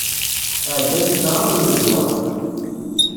Ɛeddant kraḍ n ledwaṛ.